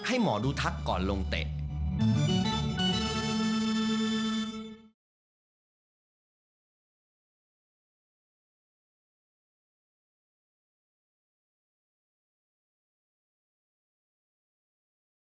โปรดติดตามตอนต่อไป